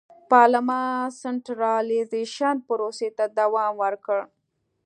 پارلمان سنټرالیزېشن پروسې ته دوام ورکړ.